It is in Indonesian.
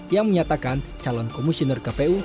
yang menyatakan calon komisioner kpu